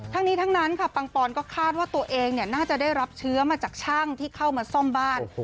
ทั้งนี้ทั้งนั้นค่ะปังปอนก็คาดว่าตัวเองน่าจะได้รับเชื้อมาจากช่างที่เข้ามาซ่อมบ้าน